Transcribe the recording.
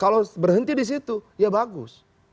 kalau berhenti di situ ya bagus